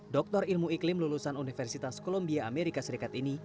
doktor ilmu iklim lulusan universitas columbia amerika serikat ini